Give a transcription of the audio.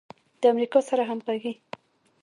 د امریکا سره همغږي